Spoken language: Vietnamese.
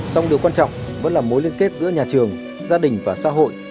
song điều quan trọng vẫn là mối liên kết giữa nhà trường gia đình và xã hội